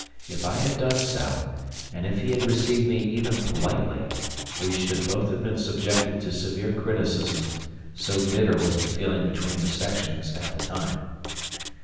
If I had done so, and if he had received me even politely, we should both have been subjected to severe criticism, so bitter was the feeling between the sections at the time.